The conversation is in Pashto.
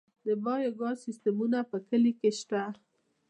د بایو ګاز سیستمونه په کلیو کې شته؟